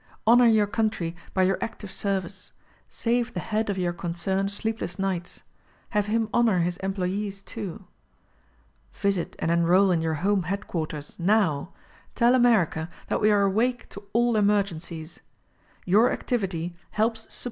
Honor your country by your active service. Save the head of your concern sleepless nights. Have him honor his employees, too. Visit and enroll in your home headquarters — now. Tell America that we are awake to all emergencies. Your activity helps suppo.